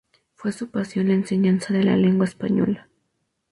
Fue su pasión la enseñanza de la lengua española.